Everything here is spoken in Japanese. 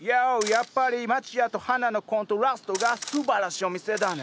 やっぱり町屋と花のコントラストがすばらしいお店だね！